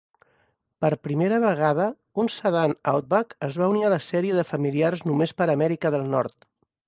Per primera vegada, un sedan Outback es va unir a la sèrie de familiars només per Amèrica del Nord.